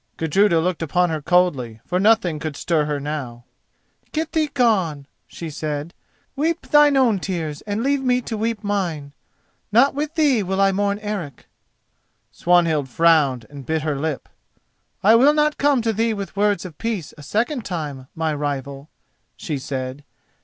Gudruda looked upon her coldly, for nothing could stir her now. "Get thee gone," she said. "Weep thine own tears and leave me to weep mine. Not with thee will I mourn Eric." Swanhild frowned and bit her lip. "I will not come to thee with words of peace a second time, my rival," she said.